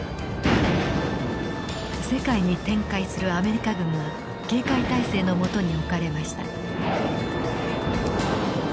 世界に展開するアメリカ軍は警戒態勢のもとに置かれました。